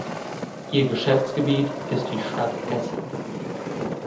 Ihr Geschäftsgebiet ist die Stadt Essen.